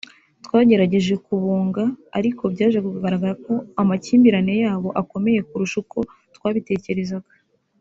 twagerageje kubunga ariko byaje kugaragara ko amakimbirane yabo akomeye kurusha uko twabitekerezaga